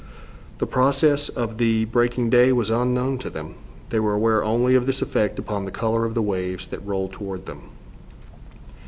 The process of the breaking day was unknown to them. They were aware only of this effect upon the color of the waves that rolled toward them.